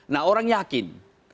nah orang yakin